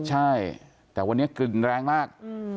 ใช่แต่วันนี้กลิ่นแรงมาก